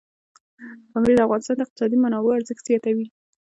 پامیر د افغانستان د اقتصادي منابعو ارزښت ډېر زیاتوي.